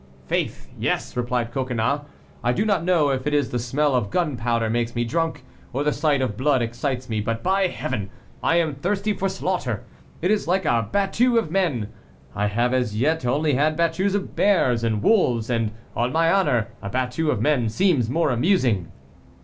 "Faith! yes," replied Coconnas. "I do not know if it is the smell of gunpowder makes me drunk, or the sight of blood excites me, but by Heaven! I am thirsty for slaughter. It is like a battue of men. I have as yet only had battues of bears and wolves, and on my honor, a battue of men seems more amusing."